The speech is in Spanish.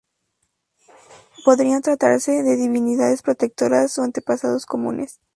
Podrían tratarse de divinidades protectoras o antepasados comunes.